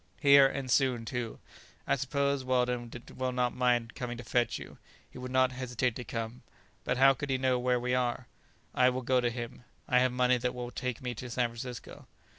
"Here, and soon too. I suppose Weldon will not mind coming to fetch you." "He would not hesitate to come; but how could he know we are here?" "I will go to him. I have money that will take me to San Francisco."